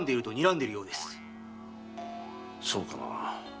そうかな？